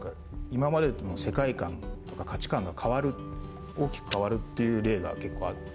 今までと世界観とか価値観が変わる大きく変わるっていう例が結構あるらしくて。